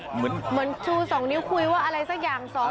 เหมือนชู๒นิ้วคุยว่าอะไรสักอย่าง